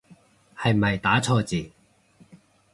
係咪打錯字